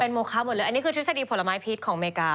โมคะหมดเลยอันนี้คือทฤษฎีผลไม้พิษของอเมริกา